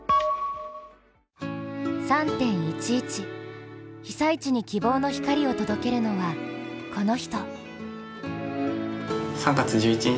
３．１１、被災地に希望の光を届けるのはこの人。